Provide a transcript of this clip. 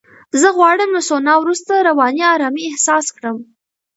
زه غواړم له سونا وروسته رواني آرامۍ احساس کړم.